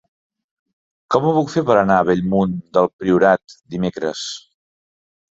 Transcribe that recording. Com ho puc fer per anar a Bellmunt del Priorat dimecres?